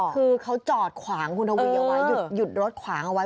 คือเขาจอดขวางคุณทวีเอาไว้หยุดรถขวางเอาไว้